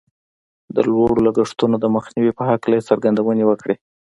د لوړو لګښتونو د مخنیوي په هکله یې څرګندونې وکړې